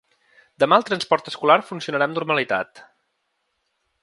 Demà el transport escolar funcionarà amb normalitat.